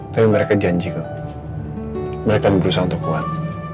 tapi mereka janji kok mereka akan berusaha untuk kuat